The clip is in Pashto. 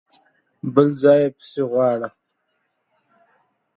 بل ځای يې پسې غواړه!